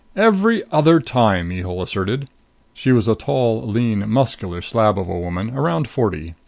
"Every other time!" Mihul asserted. She was a tall, lean, muscular slab of a woman, around forty.